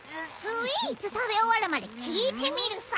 スイーツ食べ終わるまで聞いてみるさ。